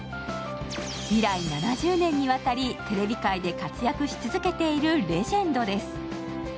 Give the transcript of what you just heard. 以来７０年にわたりテレビ界で活躍し続けているレジェンドです。